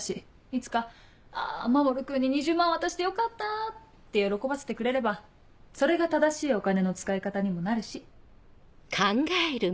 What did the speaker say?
いつか「あ守君に２０万渡してよかった」って喜ばせてくれればそれが正しいお金の使い方にもなるし。